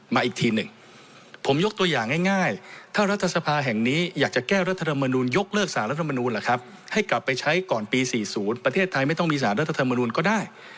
มาอีกทีหนึ่งผมยกตัวอย่างง่ายถ้ารัฐสภาแห่งนี้อยากจะแก้รัฐธรรมนูลยกเลิกสารรัฐมนูลล่ะครับให้กลับไปใช้ก่อนปี๔๐ประเทศไทยไม่ต้องมีสารรัฐธรรมนูลก็ได้